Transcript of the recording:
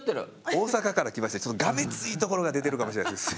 大阪から来ましてちょっとがめついところが出てるかもしれないです。